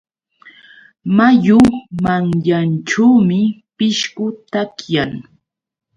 Mayu manyanćhuumi pishqu takiyan.